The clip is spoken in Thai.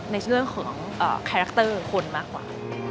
ในช่วงของคาแรคเตอร์คนมากกว่า